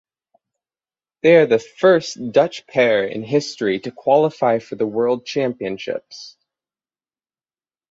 They are the first Dutch pair in history to qualify for the World Championships.